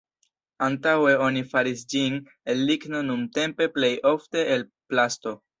Antaŭe oni faris ĝin el ligno nuntempe plejofte el plasto.